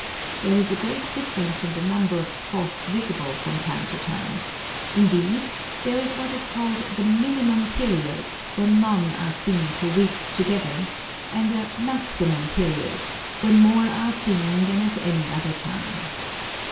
There is a great difference in the number of spots visible from time to time; indeed, there is what is called the minimum period, when none are seen for weeks together, and a maximum period, when more are seen than at any other time.